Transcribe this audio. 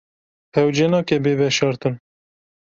Hewce nake bê veşartin.